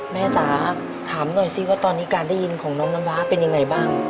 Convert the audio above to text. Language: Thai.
จ๋าถามหน่อยสิว่าตอนนี้การได้ยินของน้องน้ำว้าเป็นยังไงบ้าง